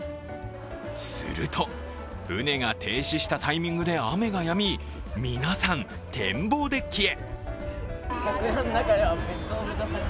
すると、船が停止したタイミングで雨がやみ、皆さん展望デッキへ。